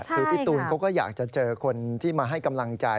คือพี่ตูนเขาก็อยากจะเจอคนที่มาให้กำลังใจ